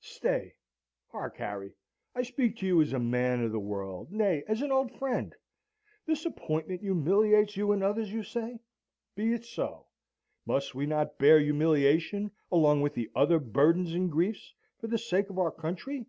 Stay. Hark, Harry! I speak to you as a man of the world nay, as an old friend. This appointment humiliates you and others, you say? Be it so! Must we not bear humiliation, along with the other burthens and griefs, for the sake of our country?